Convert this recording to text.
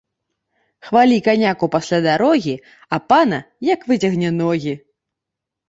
Хвалі каняку пасля дарогі, а пана ‒ як выцягне ногі